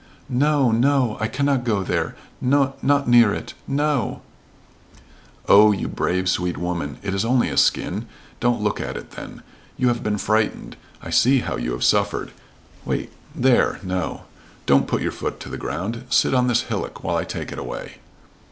"No, no. I cannot go there not near it no!" "Oh, you brave, sweet woman! It is only a skin. Don't look at it, then. You have been frightened. I see how you have suffered. Wait. There no, don't put your foot to the ground. Sit on this hillock while I take it away."